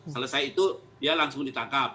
selesai itu dia langsung ditangkap